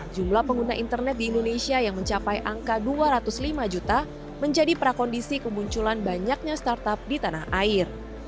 jumlah pengguna internet di indonesia yang mencapai angka dua ratus lima juta menjadi prakondisi kemunculan banyaknya startup di tanah air